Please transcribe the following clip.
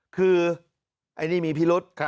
คืออันนี้มีพี่รุ้ต